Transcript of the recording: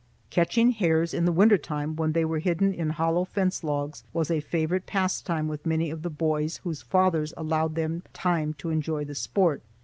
Catching hares in the winter time, when they were hidden in hollow fence logs, was a favorite pastime with many of the boys whose fathers allowed them time to enjoy the sport.